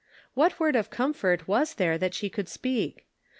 What word of comfort was there that she could speak?